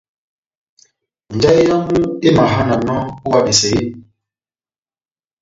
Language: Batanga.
Njahɛ yamu emahananɔ ó iha besɛ eeeh ?